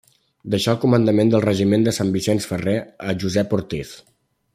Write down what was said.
Deixà el comandament del regiment de Sant Vicenç Ferrer a Josep Ortiz.